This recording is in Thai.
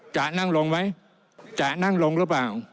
จะนั่งลงไหมจะนั่งลงหรือเปล่า